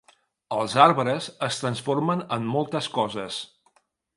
Els arbres es transformen en moltes coses.